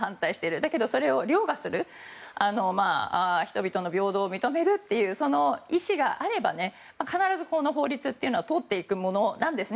だけど、それを凌駕する人々の平等を認めるっていうその意思があれば必ずこの法律というのは通っていくものなんですね。